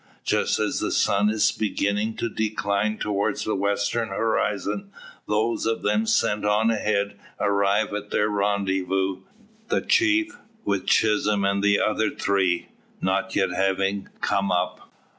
Just as the sun is beginning to decline towards the western horizon, those of them sent on ahead arrive at their rendezvous; the chief, with Chisholm and the other three, not yet having come up.